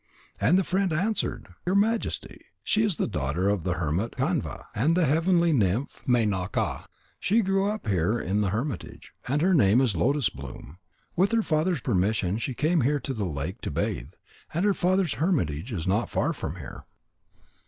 And the friend answered: "Your Majesty, she is the daughter of the hermit Kanva and the heavenly nymph Menaka. She grew up here in the hermitage, and her name is Lotus bloom. With her father's permission she came here to the lake to bathe. And her father's hermitage is not far from here."